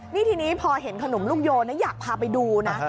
นี่ทีนี้พอเห็นขนมลูกโยนอยากพาไปดูนะ